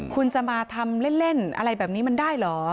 คุณจะมาทำเล่นอะไรแบบนี้มันได้เหรอ